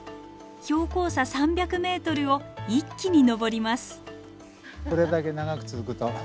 標高差３００ｍを一気に登ります。